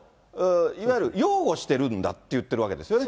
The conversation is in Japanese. いわゆる擁護してるんだと言ってるんですよね。